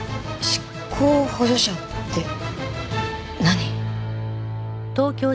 執行補助者って何？